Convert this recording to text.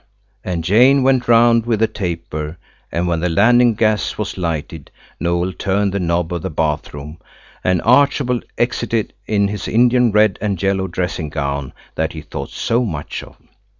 and Jane went round with a taper, and when the landing gas was lighted Noël turned the knob of the bath room, and Archibald exited in his Indian red and yellow dressing gown that he thought so much of.